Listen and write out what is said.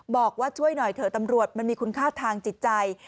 บอกว่าช่วยหน่อยเถอะตำรวจมันมีคุณค่าทางจิตใจ